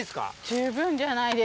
十分じゃないですか。